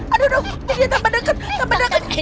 aduh dia tambah deket tambah deket